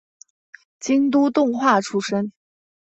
京都动画出身。